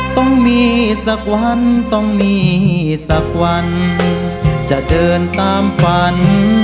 ต้องมีสักวันต้องมีสักวันจะเดินตามฝัน